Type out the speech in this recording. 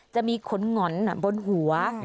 จะมีขนหง่อนบนหัว